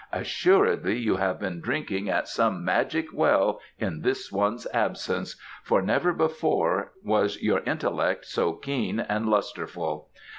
Assuredly you have been drinking at some magic well in this one's absence, for never before was your intellect so keen and lustreful.